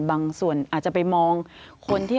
บางส่วนอาจจะไปมองคนที่